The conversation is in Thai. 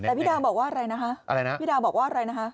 แต่พี่ดาวบอกว่าอะไรนะฮะพี่ดาวบอกว่าอะไรนะฮะอะไรนะ